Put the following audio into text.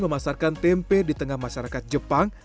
memasarkan tempe di tengah masyarakat jepang